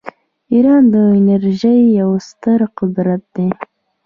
ایران د انرژۍ یو ستر قدرت دی.